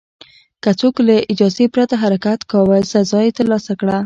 که څوک له اجازې پرته حرکت کاوه، سزا یې ترلاسه کړه.